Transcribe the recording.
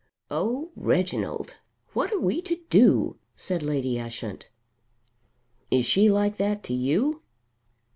"O Reginald, what are we to do?" said Lady Ushant. "Is she like that to you?"